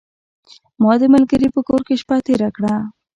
ما د ملګري په کور کې شپه تیره کړه .